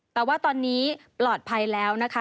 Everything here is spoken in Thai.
แต่ว่าตอนนี้ปลอดภัยแล้วนะคะ